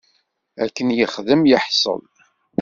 Akken yexdem yeḥṣel.